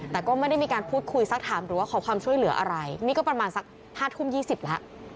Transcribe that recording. แต่ก็ไม่ได้มีการพูดคุยสักถามหรือว่าขอความช่วยเหลืออะไรนี่ก็ประมาณสัก๕ทุ่ม๒๐แล้ว